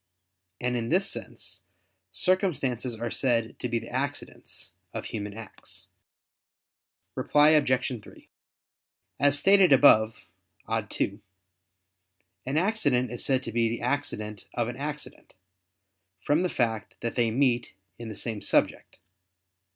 And in this sense circumstances are said to be the accidents of human acts. Reply Obj. 3: As stated above (ad 2), an accident is said to be the accident of an accident, from the fact that they meet in the same subject.